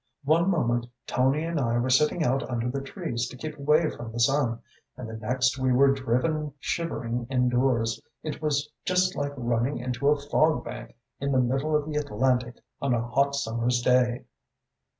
"One moment Tony and I were sitting out under the trees to keep away from the sun, and the next we were driven shivering indoors; It was just like running into a fog bank in the middle of the Atlantic on a hot summer's day."